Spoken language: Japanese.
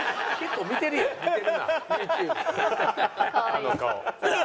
あの顔。